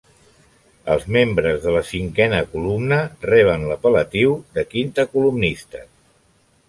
Els membres de la cinquena columna reben l'apel·latiu de quintacolumnistes.